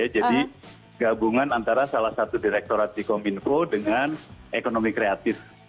jadi gabungan antara salah satu direkturat sikominfo dengan ekonomi kreatif